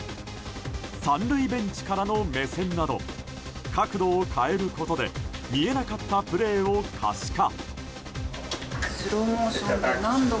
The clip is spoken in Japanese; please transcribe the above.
３塁ベンチからの目線など角度を変えることで見えなかったプレーを可視化。